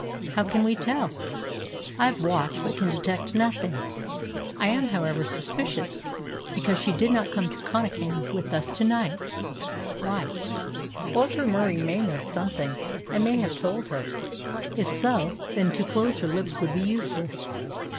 "How can we tell? I have watched, but can detect nothing. I am, however, suspicious, because she did not come to Connachan with us to night." "Why?" "Walter Murie may know something, and may have told her." "If so, then to close her lips would be useless.